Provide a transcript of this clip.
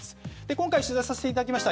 今回取材させていただきました